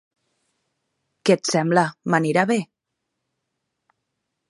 Què et sembla, m'anirà bé?